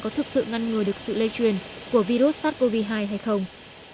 có thực sự ngăn ngừa được sự lây truyền của virus sars cov hai hay không